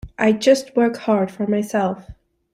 I just work hard for myself.